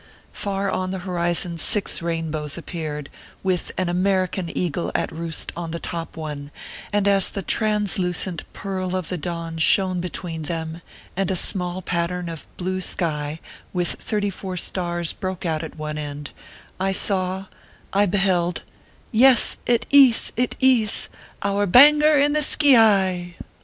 Far on the horizon six rainbows appeared, with an American Eagle at roost on the top one, and as the translucent pearl of the dawn shone between them, and a small pattern of blue sky with thirty four stars broke out at one end, I saw I beheld yes, it ees ! it ees ! our Banger in the Skee yi